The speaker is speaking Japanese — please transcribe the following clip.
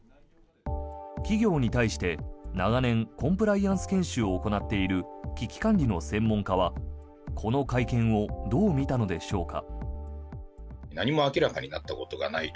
企業に対して長年コンプライアンス研修を行っている危機管理の専門家はこの会見をどう見たのでしょうか。